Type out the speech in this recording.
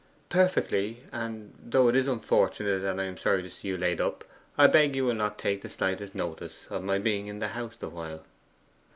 'Perfectly. And though it is unfortunate, and I am sorry to see you laid up, I beg you will not take the slightest notice of my being in the house the while.